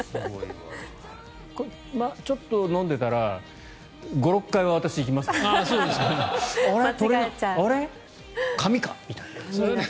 ちょっと飲んでたら５６回はいきますね。